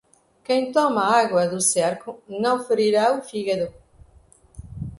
Quem toma a água do cerco não ferirá o fígado.